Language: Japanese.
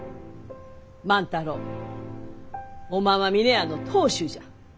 万太郎おまんは峰屋の当主じゃ。